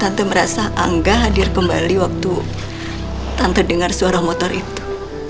tante merasa angga hadir kembali waktu tante dengar suara motor itu